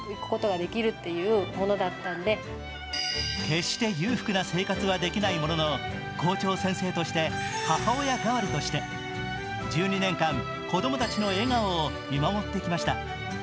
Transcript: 決して裕福な生活はできないものの校長先生として、母親代わりとして１２年間、子供たちの笑顔を見守ってきました。